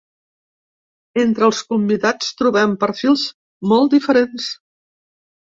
Entre els convidats trobem perfils molt diferents.